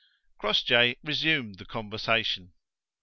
Crossjay resumed the conversation.